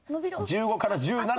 １５から１７。